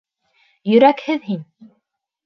Йөрәкһеҙ һин!